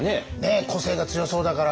個性が強そうだから。